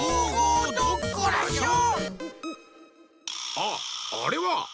あっあれは！